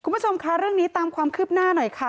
คุณผู้ชมค่ะเรื่องนี้ตามความคืบหน้าหน่อยค่ะ